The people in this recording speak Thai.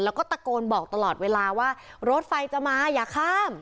แล้วก็ตะโกนบอกตลอดเวลาว่ารถไฟจะมาอย่าข้าม